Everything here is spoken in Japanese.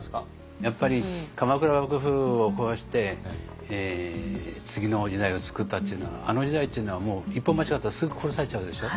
やっぱり鎌倉幕府を壊して次の時代を作ったっていうのはあの時代っていうのは一歩間違ったらすぐ殺されちゃうでしょ？